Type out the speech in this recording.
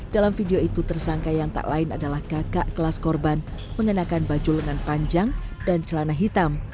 dalam video itu tersangka yang tak lain adalah kakak kelas korban mengenakan baju lengan panjang dan celana hitam